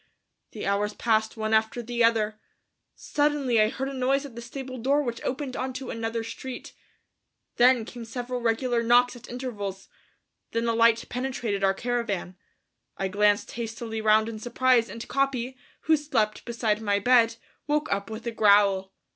The hours passed one after the other; suddenly I heard a noise at the stable door which opened onto another street. Then came several regular knocks at intervals. Then a light penetrated our caravan. I glanced hastily round in surprise and Capi, who slept beside my bed, woke up with a growl.